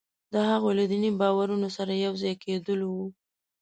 د هغوی له دیني باورونو سره یو ځای کېدلو وو.